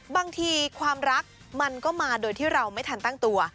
บางทีความรักมันก็มาโดยที่เราไม่ทันตั้งตัว